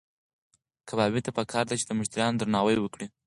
کبابي ته پکار ده چې د مشتریانو درناوی وکړي.